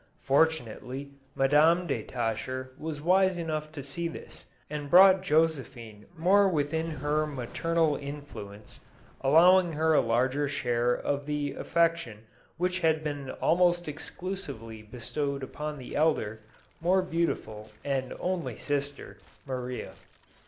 Fortunately, Madam de Tascher was wise enough to see this, and brought Josephine more within her own 222 JOSEPHINE. maternal influence, allowing her a larger share of the affection which had been almost exclusively bestowed upon the elder, more beautiful, and only sister — Maria.